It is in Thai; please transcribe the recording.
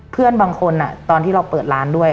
เพื่อนบางคนตอนที่เราเปิดร้านด้วย